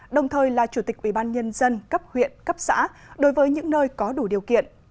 đồng thời là chủ tịch ubnd cấp huyện cấp xã đối với những nơi có đủ điều kiện